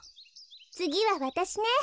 つぎはわたしね。